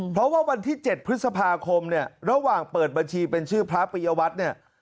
เพราะว่าวันที่๗พฤษภาคมเนี่ยระหว่างเปิดบัญชีเป็นชื่อพระปิยวัตรเนี่ย